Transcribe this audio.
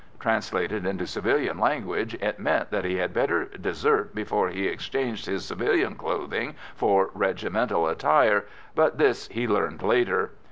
Translated into civilian language, it meant that he had better desert before he exchanged his civilian clothing for regimental attire, but this he learned later.